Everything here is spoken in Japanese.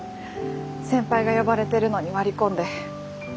先輩が呼ばれてるのに割り込んで。